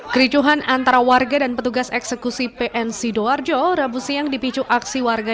kericuhan antara warga dan petugas eksekusi pn sidoarjo rabu siang dipicu aksi warga